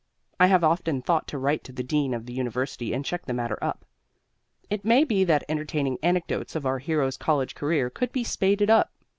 I have often thought to write to the dean of the university and check the matter up. It may be that entertaining anecdotes of our hero's college career could be spaded up.